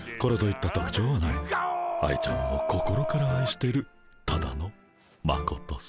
愛ちゃんを心からあいしてるただのマコトさ。